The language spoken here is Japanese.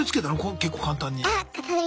結構簡単に。